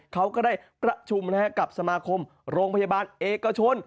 ก็ชุมแทนกับสมาคมโรงพยาบาลเอกชน